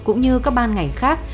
cũng như các ban ngành khác